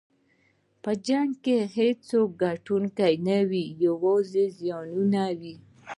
په جنګ کې هېڅوک ګټونکی نه وي، یوازې زیانونه وي.